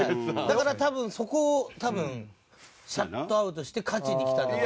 だからそこを多分シャットアウトして勝ちにきたんだと。